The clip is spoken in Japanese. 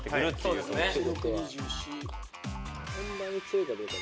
本番に強いかどうか。